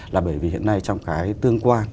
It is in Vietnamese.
là bởi vì hiện nay trong cái tương quan